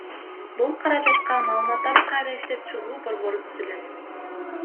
Бул каражатка Маалыматтарды кайра иштеп чыгуу борбору түзүлөт.